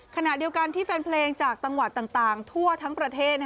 ขณะเดียวกันที่แฟนเพลงจากจังหวัดต่างทั่วทั้งประเทศ